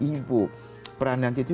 ibu peran nanti itu